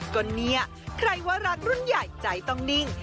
ก็เนี่ยใครว่ารักรุ่นใหญ่ใจต้องนิ่ง